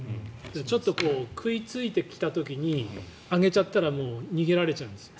ちょっと食いついてきた時に上げちゃったら逃げられちゃう。